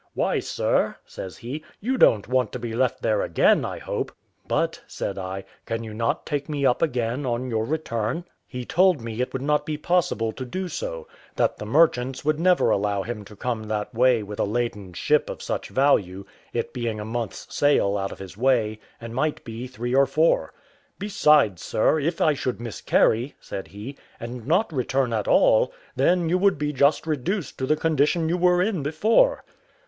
"Why, sir," says he, "you don't want to be left there again, I hope?" "But," said I, "can you not take me up again on your return?" He told me it would not be possible to do so; that the merchants would never allow him to come that way with a laden ship of such value, it being a month's sail out of his way, and might be three or four. "Besides, sir, if I should miscarry," said he, "and not return at all, then you would be just reduced to the condition you were in before."